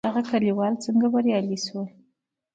دغه کليوال څنګه بريالي شول؟